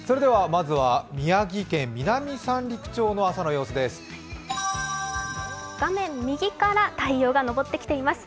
まずは宮城県南三陸町の朝様子です。